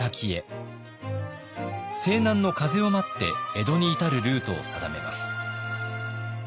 西南の風を待って江戸に至るルートを定めます。